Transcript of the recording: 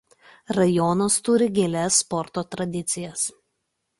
Rajonas turi gilias sporto tradicijas.